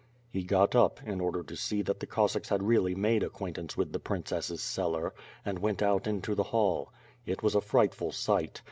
He got up, in order to see that the Cossacks had really made acquaintance with the princess's cellar, and went out into the hall. It was a frightful sight.